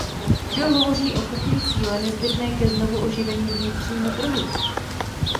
Kdo hovoří o kupní síle nezbytné ke znovuoživení vnitřního trhu?